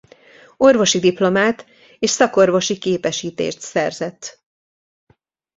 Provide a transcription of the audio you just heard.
Orvosi diplomát és szakorvosi képesítést szerzett.